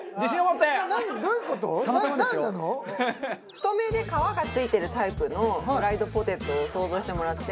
太めで皮が付いてるタイプのフライドポテトを想像してもらって。